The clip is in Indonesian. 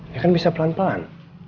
ya kan bisa pelan pelan